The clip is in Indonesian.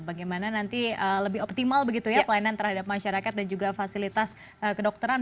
bagaimana nanti lebih optimal begitu ya pelayanan terhadap masyarakat dan juga fasilitas kedokteran